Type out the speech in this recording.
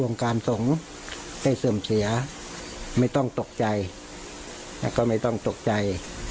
การสงฆ์ได้เสื่อมเสียไม่ต้องตกใจแล้วก็ไม่ต้องตกใจ